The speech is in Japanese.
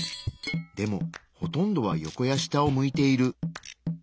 でもほとんどは横や下を向いている。